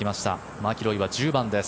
マキロイは１０番です。